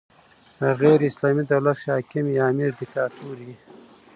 په غیري اسلامي دولت کښي حاکم یا امر ډیکتاتور يي.